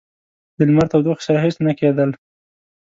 د لمر تودوخې سره هیڅ نه کېدل.